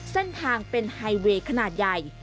เส้นทางเป็นไฮเวย์ขนาดใหญ่